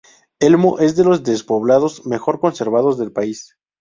Elmo es de los despoblados mejor conservados del país.